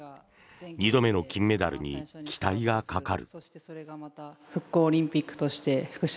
２度目の金メダルに期待がかかる。